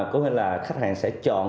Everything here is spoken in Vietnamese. có nghĩa là khách hàng sẽ chọn